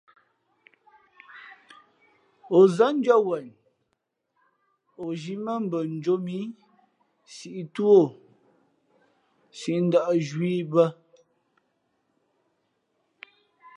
O zάndʉ̄ᾱ wen, o zhī mά mbα njō mǐ sǐʼ tú o, sī ndα̌ʼ nzhwīē i bᾱ.